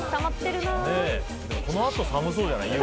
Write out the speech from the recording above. この後寒そうじゃない？